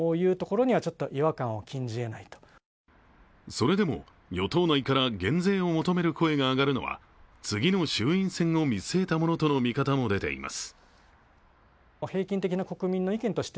それでも、与党内から減税を求める声が上がるのは次の衆院選を見据えたものとの見方も出ています。